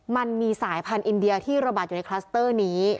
มันมีสายพันธุ์อินเดียที่ระบาดอยู่ในคลัสเตอร์นี้